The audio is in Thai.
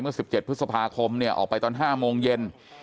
๑๗พฤษภาคมเนี่ยออกไปตอน๕โมงเย็น